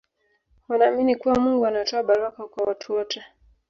wanaamini kuwa mungu anatoa baraka kwa watu wote